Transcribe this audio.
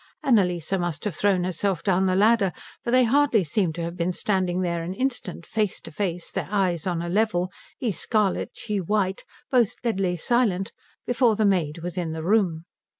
Annalise must have thrown herself down the ladder, for they hardly seemed to have been standing there an instant face to face, their eyes on a level, he scarlet, she white, both deadly silent, before the maid was in the room.